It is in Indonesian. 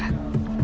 tuhan frank palmer